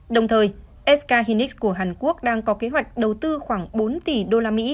đồng thời sk hunis của hàn quốc đang có kế hoạch đầu tư khoảng bốn tỷ usd